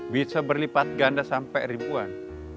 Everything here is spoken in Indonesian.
bisa berlipat ganda sampai ribuan